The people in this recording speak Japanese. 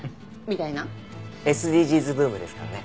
ＳＤＧｓブームですからね。